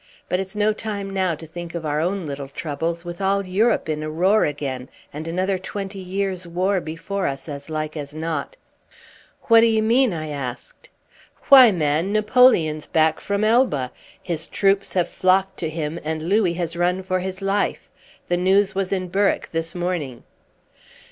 But it's no time now to think of our own little troubles, with all Europe in a roar again, and another twenty years' war before us, as like as not." "What d'ye mean?" I asked. "Why, man, Napoleon's back from Elba, his troops have flocked to him, and Louis has run for his life. The news was in Berwick this morning."